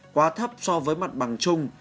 quá thấp so với mặt bằng chung